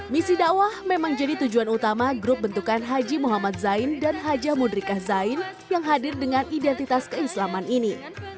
misi dakwah memang jadi tujuan utama grup bentukan haji muhammad zain dan haja mudrika zain yang hadir dengan identitas keislaman ini